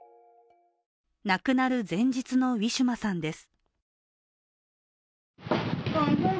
亡くなる前日のウィシュマさんです。